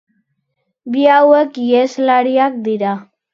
Bi hauek iheslariak dira.